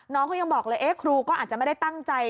น้องเขายังบอกเลยครูก็อาจจะไม่ได้ตั้งใจ